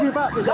saya tahu pak